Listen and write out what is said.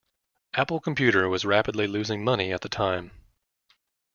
Apple Computer was rapidly losing money at the time.